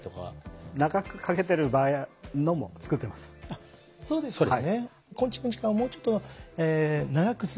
あっそうですよね。